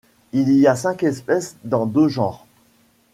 Il y a cinq espèces dans deux genres.